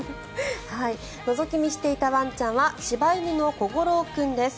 のぞき見していたワンちゃんは柴犬のコゴロー君です。